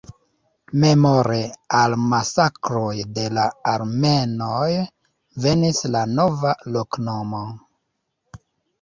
Memore al masakroj de la armenoj venis la nova loknomo.